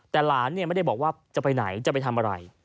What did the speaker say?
แต่หลานไม่ได้บอกว่าจะไปไหนจะไปทำอะไร